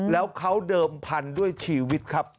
แล้วเขาเดิมพันธุ์ด้วยชีวิตครับ